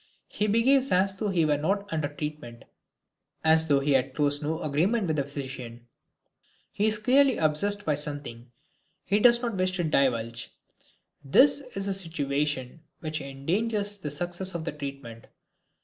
He behaves as though he were not under treatment, as though he had closed no agreement with the physician; he is clearly obsessed by something he does not wish to divulge. This is a situation which endangers the success of the treatment.